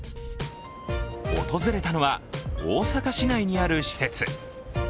訪れたのは大阪市内にある施設。